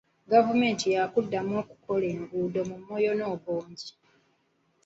Gavumenti ejja kuddamu okukola enguudo mu Moyo ne Obongi.